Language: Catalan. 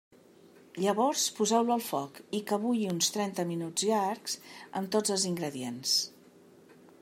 Llavors poseu-lo al foc i que bulli uns trenta minuts llargs amb tots els ingredients.